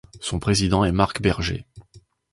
Son président est Marc Berger.